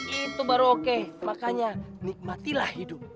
itu baru oke makanya nikmatilah hidup